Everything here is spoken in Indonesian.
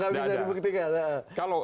nggak bisa dibuktikan